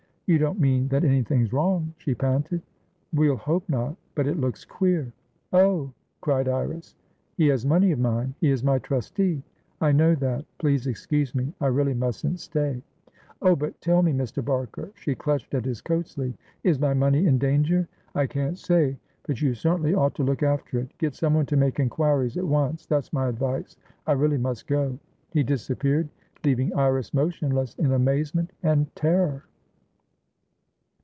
"You don't mean that anything's wrong?" she panted. "We'll hope not, but it looks queer." "Oh!" cried Iris. "He has money of mine. He is my trustee." "I know that. Please excuse me; I really mustn't stay." "Oh, but tell me, Mr. Barker!" She clutched at his coat sleeve. "Is my money in danger?" "I can't say, but you certainly ought to look after it. Get someone to make inquiries at once; that's my advice. I really must go." He disappeared, leaving Iris motionless in amazement and terror.